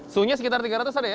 suhunya sekitar tiga ratus ada ya